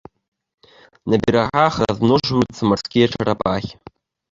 На берагах размножваюцца марскія чарапахі.